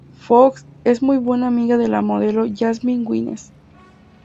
Fox es muy buena amiga de la modelo Jasmine Guinness.